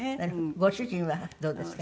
ご主人はどうですか？